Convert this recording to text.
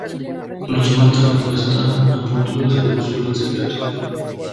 Los mata cuando están a punto de descubrir su gran secreto.